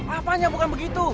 apanya bukan begitu